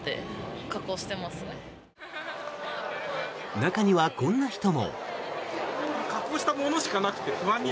中にはこんな人も。